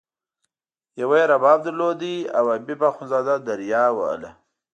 یوه یې رباب درلود او حبیب اخندزاده دریا وهله.